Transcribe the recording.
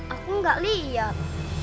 aku enggak lihat